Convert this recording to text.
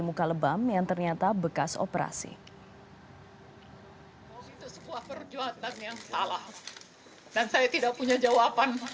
muka lebam yang ternyata bekas operasi itu sebuah perjuangan yang salah dan saya tidak punya jawaban